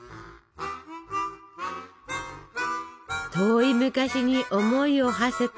遠い昔に思いをはせて。